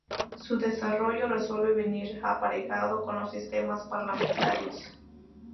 Su desarrollo suele venir aparejado con los sistemas parlamentarios.